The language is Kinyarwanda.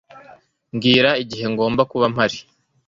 Mbwira igihe ngomba kuba mpari